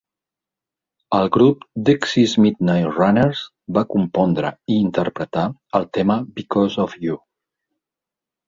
El grup Dexys Midnight Runners va compondre i interpretar el tema "Because of You".